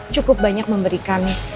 cukup banyak memberikan